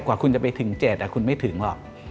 กว่าคุณจะไปถึง๗คุณไม่ถึงหรอก